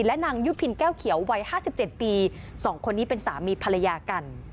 และนางยุพินแก้วเขียววัย๕๗ปี๒คนนี้เป็นสามีภรรยากัน